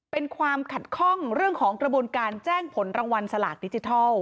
เป็นความขัดข้องเรื่องของกระบวนการแจ้งผลรางวัลสลากดิจิทัล